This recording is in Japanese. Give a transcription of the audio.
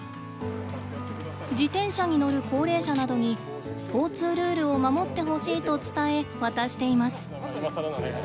自転車に乗る高齢者などに交通ルールを守ってほしいと伝え渡しています。